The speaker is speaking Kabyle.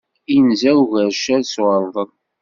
Inza ugercal s urḍel.